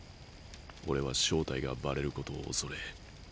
俺は正体がバレることを恐れ